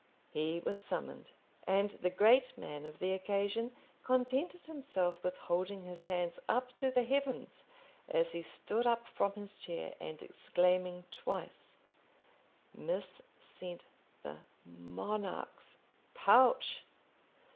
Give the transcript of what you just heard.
He was summoned; and the great man of the occasion contented himself with holding his hands up to the heavens as he stood up from his chair, and exclaiming twice, "Mis sent the Monarch's pouch!